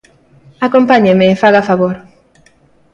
_Acompáñeme, faga favor.